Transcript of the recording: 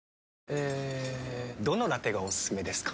えどのラテがおすすめですか？